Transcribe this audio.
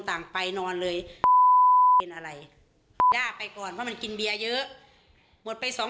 ต่างไปนอนเลยเป็นอะไรย่าไปก่อนเพราะมันกินเบียร์เยอะหมดไปสอง